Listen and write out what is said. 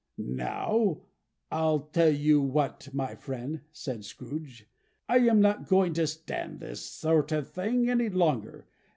"Now, I'll tell you what, my friend," said Scrooge, "I am not going to stand this sort of thing any longer.